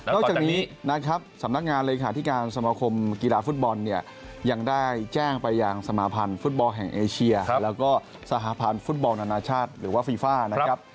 จากนี้นะครับสำนักงานเลขาธิการสมาคมกีฬาฟุตบอลเนี่ยยังได้แจ้งไปยังสมาพันธ์ฟุตบอลแห่งเอเชียแล้วก็สหพันธ์ฟุตบอลนานาชาติหรือว่าฟีฟ่านะครับ